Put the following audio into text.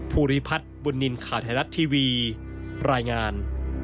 ภูริพัฒน์บุญนินทร์ข่าวไทยรัฐทีวีรายงาน